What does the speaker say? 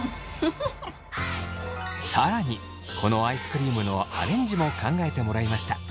更にこのアイスクリームのアレンジも考えてもらいました。